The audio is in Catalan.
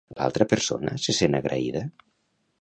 L'altra persona se sent agraïda?